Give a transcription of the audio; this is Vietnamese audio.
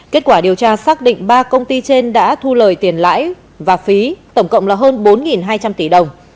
kết quả điều tra xác định ba công ty trên đã thu lời tiền lãi và phí tổng cộng là hơn bốn hai trăm linh tỷ đồng